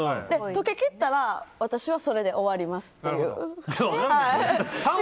溶けきったら私はそれで終わりますっていう。